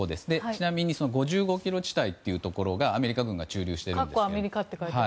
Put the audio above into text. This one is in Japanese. ちなみに５５ｋｍ地帯というところがアメリカ軍が駐留しています。